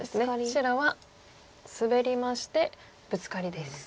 白はスベりましてブツカリです。